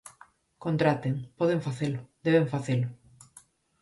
Contraten, poden facelo, deben facelo.